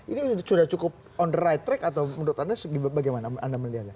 ini sudah cukup on the right track atau menurut anda bagaimana anda melihatnya